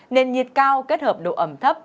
nền nhiệt cao kết hợp độ ẩm thấp